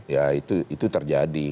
ya itu terjadi